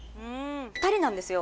２人なんですよ